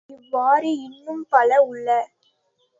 இவ்வாறு இன்னும் பல உள.